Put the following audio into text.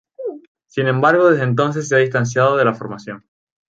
Sin embargo, desde entonces se ha distanciado de la formación.